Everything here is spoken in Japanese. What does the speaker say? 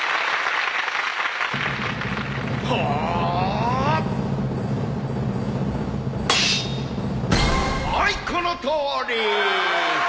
はいこのとおり！